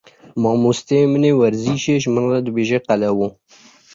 Mamosteyê min ê werzîşê ji min re dibêje qelewo.